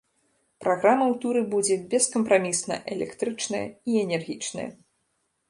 Праграма ў туры будзе бескампрамісна электрычная і энергічная.